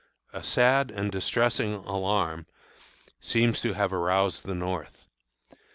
A sad and distressing alarm seems to have aroused the North.